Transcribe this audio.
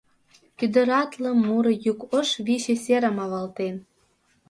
Кӱдыратле муро йӱк Ош Виче серым авалтен.